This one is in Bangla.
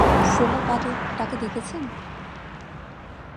সেলো বাদক টাকে দেখেছেন?